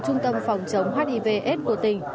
trung tâm phòng chống hivs của tỉnh